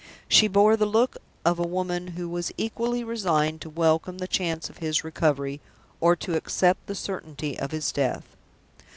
She bore the look of a woman who was equally resigned to welcome the chance of his recovery, or to accept the certainty of his death.